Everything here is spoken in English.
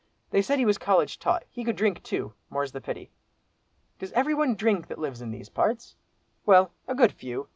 They said he was college taught. He could drink too, more's the pity." "Does every one drink that lives in these parts?" "Well, a good few.